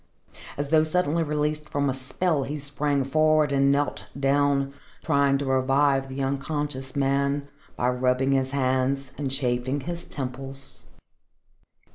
As though suddenly released from a spell he sprang forward and knelt down, trying to revive the unconscious man by rubbing his hands and chafing his temples.